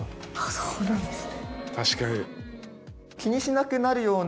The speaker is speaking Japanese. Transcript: そうなんですね。